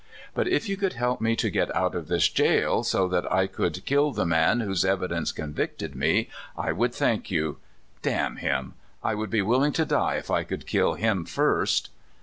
But if you could help me to get out of this jail, so that I could kill the man whose evidence convicted me, I would thank you. Damn him ! I would be willing to die if I could kill him first!